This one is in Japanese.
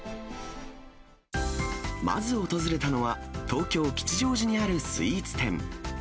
まず訪れたのは、東京・吉祥寺にあるスイーツ店。